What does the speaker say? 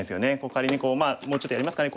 仮にこうもうちょっとやりますかね。